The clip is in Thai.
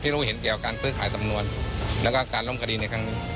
ที่เราก็เห็นเกี่ยวกับการซื้อขายสำนวนและการล้มคดีในขั้นนี้